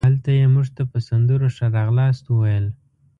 هلته یې مونږ ته په سندرو ښه راغلاست وویل.